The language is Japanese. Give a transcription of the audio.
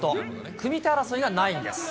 組み手争いがないんです。